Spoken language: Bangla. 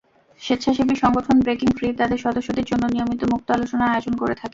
স্বেচ্ছাসেবী সংগঠন ব্রেকিং ফ্রি তাদের সদস্যদের জন্য নিয়মিত মুক্ত আলোচনার আয়োজন করে থাকে।